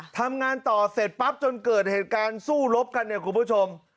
ทำงานต่อเสร็จปั๊บจนเกิดเหตุการณ์สู้รบกันเนี่ยคุณผู้ชม